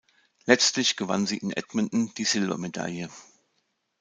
Letztlich gewann sie in Edmonton die Silbermedaille.